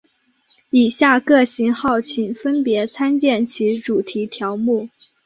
以下各型号请分别参见其主题条目。